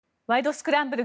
スクランブル」